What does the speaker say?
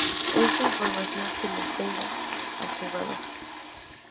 Esta información se le entrega al jugador.